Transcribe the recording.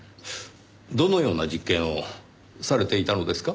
どのような実験をされていたのですか？